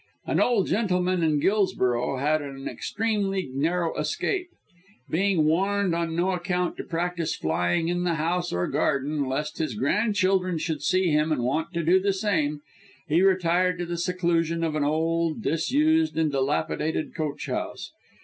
An old gentleman in Guilsborough had an extremely narrow escape. Being warned on no account to practise flying in the house or garden, lest his grandchildren should see him and want to do the same, he retired to the seclusion of an old, disused and dilapidated coach house.